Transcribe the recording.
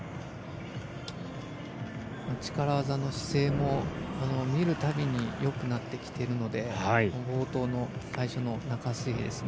力技の姿勢も見るたびによくなっているので冒頭の最初の中水平ですね。